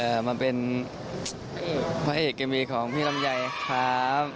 เอ่อมันเป็นพระเอกมีของพี่ลำไยครับ